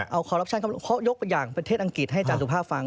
เอาคอรัปชั่นเข้ามาร่วมเขายกอย่างประเทศอังกฤษให้จานสุภาพฟัง